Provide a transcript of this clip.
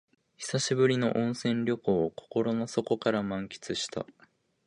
久しぶりの温泉旅行を心の底から満喫した